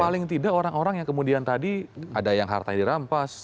paling tidak orang orang yang kemudian tadi ada yang hartanya dirampas